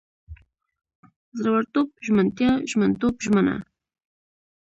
زړورتوب، ژمنتیا، ژمنتوب، ژمنه